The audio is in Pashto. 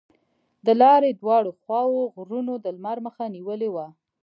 د لارې دواړو خواوو غرونو د لمر مخه نیولې وه.